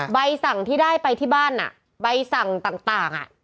ใบสั่งที่ได้ไปที่บ้านใบสั่งต่าง